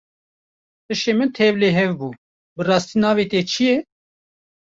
Hişê min tevlihev bû, bi rastî navê te çi ye?